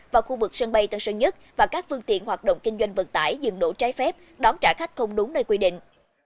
vào khu vực sân bay tân sơn nhất và các phương tiện hoạt động kinh doanh vận tải dừng đổ trái phép đón trả khách không đúng nơi quy định